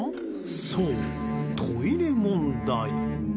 そう、トイレ問題。